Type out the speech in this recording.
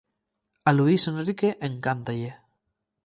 A Luís Enrique encántalle.